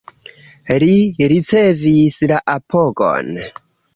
Li ricevis la apogon.